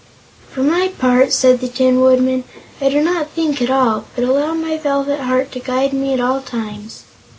"For my part," said the Tin Woodman, "I do not think at all, but allow my velvet heart to guide me at all times."